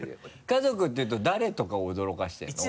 家族っていうと誰とかを驚かせてるの？